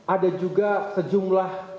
ada juga sejumlah